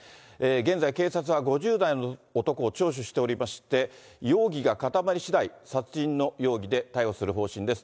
現在、警察は５０代の男を聴取しておりまして、容疑が固まりしだい、殺人の容疑で逮捕する方針です。